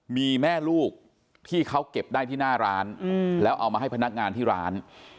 มีแม่ลูกที่เขาเก็บได้ที่หน้าร้านแล้วเอามาให้พนักงานที่ร้าน